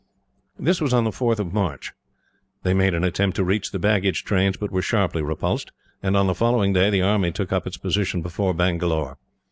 This was on the 4th of March. They made an attempt to reach the baggage trains, but were sharply repulsed, and on the following day the army took up its position before Bangalore.